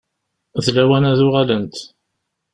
D lawan ad uɣalent.